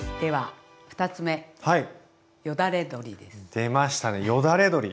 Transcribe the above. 出ましたねよだれ鶏。